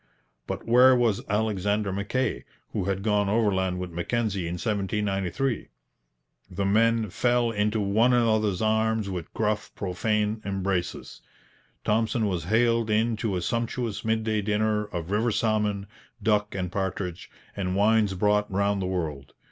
But where was Alexander Mackay, who had gone overland with Mackenzie in 1793? The men fell into one another's arms with gruff, profane embraces. Thompson was haled in to a sumptuous midday dinner of river salmon, duck and partridge, and wines brought round the world.